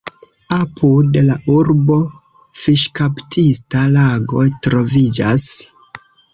Apud la urbo fiŝkaptista lago troviĝas.